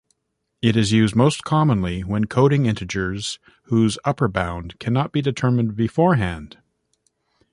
It is used most commonly when coding integers whose upper-bound cannot be determined beforehand.